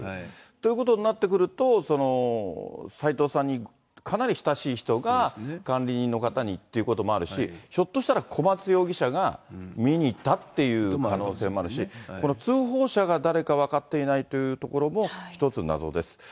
ということになってくると、斎藤さんにかなり親しい人が管理人の方にということもあるし、ひょっとしたら小松容疑者が見に行ったっていう可能性もあるだろうし、この通報者がだれか分かっていないというところも一つ謎です。